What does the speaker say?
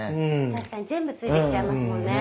確かに全部ついてきちゃいますもんね。